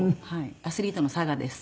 アスリートのさがです。